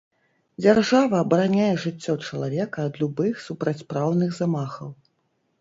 Дзяржава абараняе жыццё чалавека ад любых супрацьпраўных замахаў.